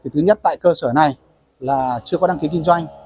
thứ nhất tại cơ sở này là chưa có đăng ký kinh doanh